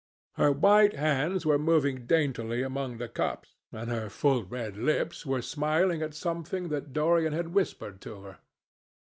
Her white hands were moving daintily among the cups, and her full red lips were smiling at something that Dorian had whispered to her.